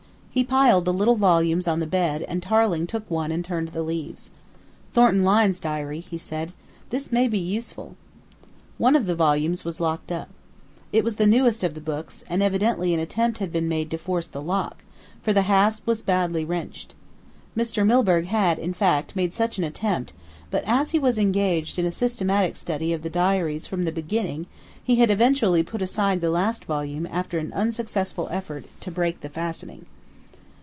He piled the little volumes on the bed and Tarling took one and turned the leaves. "Thornton Lyne's diary," he said. "This may be useful." One of the volumes was locked. It was the newest of the books, and evidently an attempt had been made to force the lock, for the hasp was badly wrenched. Mr. Milburgh had, in fact, made such an attempt, but as he was engaged in a systematic study of the diaries from the beginning he had eventually put aside the last volume after an unsuccessful effort to break the fastening.